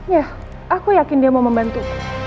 ya aku yakin dia mau membantu